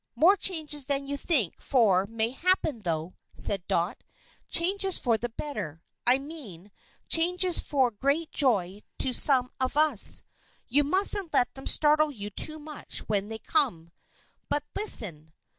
"More changes than you think for may happen, though," said Dot; "changes for the better, I mean; changes for great joy to some of us. You mustn't let them startle you too much when they come. But listen!